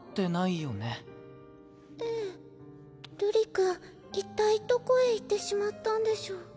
瑠璃君一体どこへ行ってしまったんでしょう？